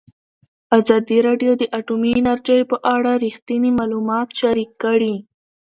ازادي راډیو د اټومي انرژي په اړه رښتیني معلومات شریک کړي.